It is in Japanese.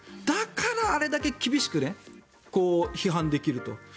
だからあれだけ厳しく批判できると。